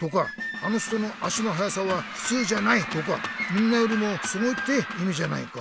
「あの人の足のはやさはふつうじゃない」とか「みんなよりもすごい」っていみじゃないか。